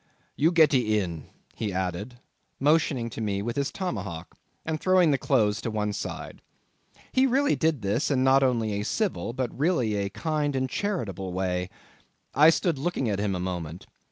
"You gettee in," he added, motioning to me with his tomahawk, and throwing the clothes to one side. He really did this in not only a civil but a really kind and charitable way. I stood looking at him a moment.